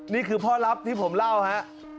นี่คือพ่อลับที่ผมเล่าฮะ